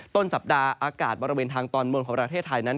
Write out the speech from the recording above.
ต้นสัปดาห์อากาศบริเวณทางตอนบนของประเทศไทยนั้น